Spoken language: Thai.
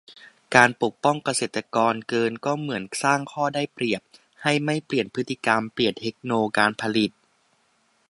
การปกป้องเกษตรกรเกินก็เหมือนสร้างข้อได้เปรียบให้ไม่เปลี่ยนพฤติกรรม เปลี่ยนเทคโนการผลิต